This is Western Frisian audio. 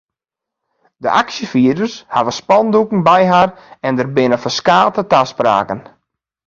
De aksjefierders hawwe spandoeken by har en der binne ferskate taspraken.